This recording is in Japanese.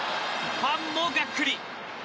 ファンもがっくり。